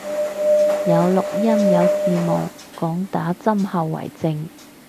有錄音有字幕，講打針後遺症